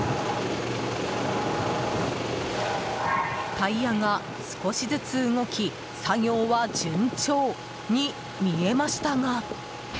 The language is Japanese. タイヤが少しずつ動き作業は順調に、見えましたが。